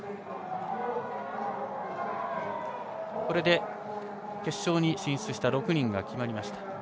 これで決勝に進出した６人が決まりました。